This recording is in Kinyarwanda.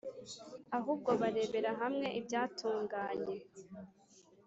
ahubwo barebera hamwe ibyatunganye,